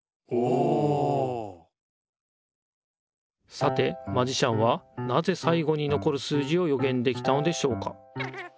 さてマジシャンはなぜさいごにのこる数字をよげんできたのでしょうか？